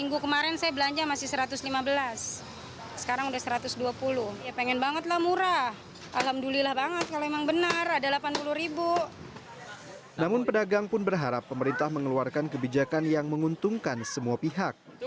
namun pedagang pun berharap pemerintah mengeluarkan kebijakan yang menguntungkan semua pihak